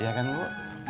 iya kan bu